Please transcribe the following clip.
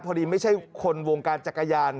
ไม่ใช่คนวงการจักรยาน